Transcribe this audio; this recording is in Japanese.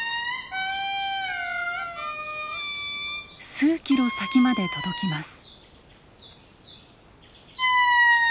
数キロ先まで届きます。